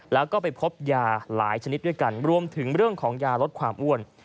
แล้วก็ไปพบยาหลายชนิดด้วยกันรวมถึงเรื่องของยาลดความอ้วน